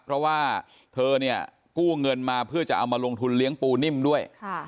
เพราะว่าเธอเนี่ยกู้เงินมาเพื่อจะเอามาลงทุนเลี้ยงปูนิ่มด้วย